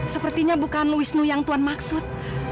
sepertinya bukan wisnu yang tuhan maksud